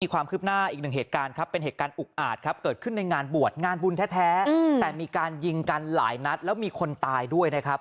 ความคืบหน้าอีกหนึ่งเหตุการณ์ครับเป็นเหตุการณ์อุกอาจครับเกิดขึ้นในงานบวชงานบุญแท้แต่มีการยิงกันหลายนัดแล้วมีคนตายด้วยนะครับ